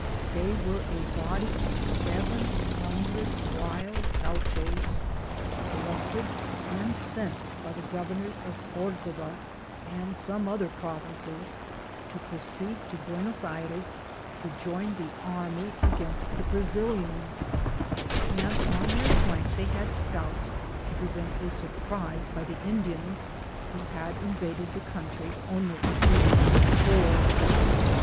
They were a body of seven hundred wild Gauchos, collected and sent by the governors of Cordova and some other pro vinces to proceed to Buenos Aires to join the army against the Brazilians ; and on their flank they had scouts, to prevent a surprise by the Indians, who had invaded the country only a few weeks before.